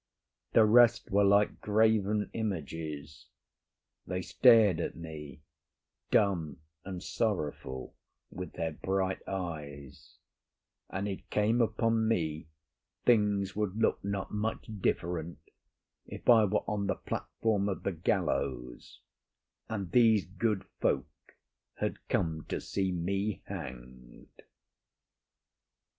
The rest were like graven images: they stared at me, dumb and sorrowful, with their bright eyes; and it came upon me things would look not much different if I were on the platform of the gallows, and these good folk had come to see me hanged.